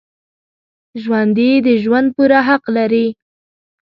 ژوندي د ژوند پوره حق لري